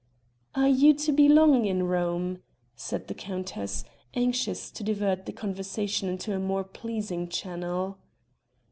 "Are you to be long in Rome?" said the countess, anxious to divert the conversation into a more pleasing channel.